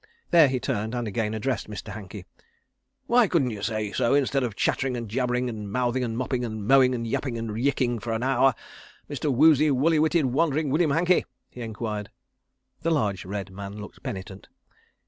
There he turned, and again addressed Mr. Hankey. "Why couldn't you say so, instead of chattering and jabbering and mouthing and mopping and mowing and yapping and yiyiking for an hour, Mr. Woozy, Woolly witted, Wandering William Hankey?" he enquired. The large red man looked penitent.